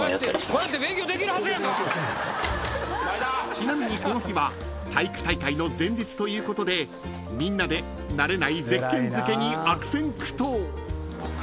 ［ちなみにこの日は体育大会の前日ということでみんなで慣れないゼッケン付けに悪戦苦闘］